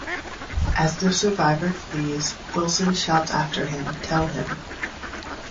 As the survivor flees, Wilson shouts after him Tell him...